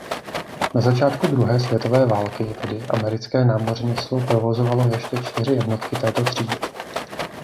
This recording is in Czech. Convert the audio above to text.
Na začátku druhé světové války tedy americké námořnictvo provozovalo ještě čtyři jednotky této třídy.